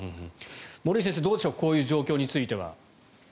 森内先生、どうでしょうこういう状況については。